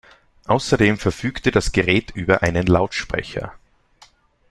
Außerdem verfügte das Gerät über einen Lautsprecher.